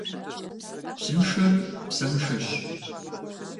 Псыншэр псэншэщ.